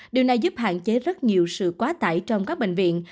điều này giúp hạn chế rất nhiều sự quá tải trong các bệnh viện